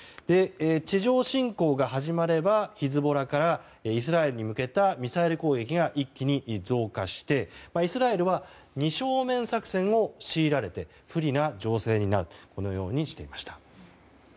地上侵攻が始まればヒズボラからイスラエルに向けたミサイル攻撃が一気に増加してイスラエルは二正面作戦を強いられて不利な情勢になるとこのようにしていました。